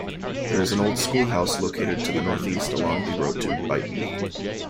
There is an old schoolhouse located to the northeast along the road to Byton.